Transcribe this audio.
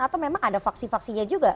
atau memang ada faksi faksinya juga